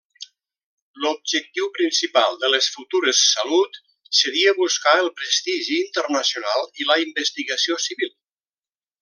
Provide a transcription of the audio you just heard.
L'objectiu principal de les futures Salut seria buscar el prestigi internacional i la investigació civil.